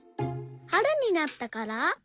はるになったから？